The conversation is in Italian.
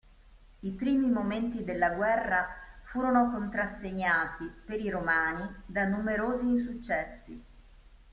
I primi momenti della guerra furono contrassegnati, per i romani, da numerosi insuccessi.